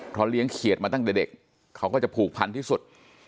เพราะเลี้ยงเขียดมาตั้งแต่เด็กเขาก็จะผูกพันที่สุด